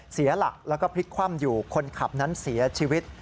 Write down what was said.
เสียหลักแล้วก็พลิกคว่ำอยู่คนขับนั้นเสียชีวิต